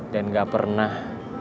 dan gak pernah